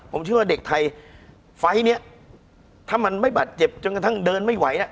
ผมเชื่อว่าเด็กไทยไฟล์นี้ถ้ามันไม่บาดเจ็บจนกระทั่งเดินไม่ไหวเนี่ย